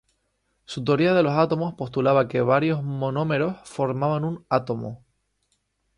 Su teoría de los átomos postulaba que varios monómeros formaban un átomo.